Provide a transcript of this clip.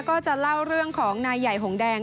ก็จะเล่าเรื่องของนายใหญ่หงแดง